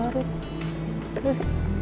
jangan dibiarkan berlarut larut